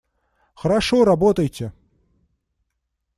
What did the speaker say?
Хорошо, работайте!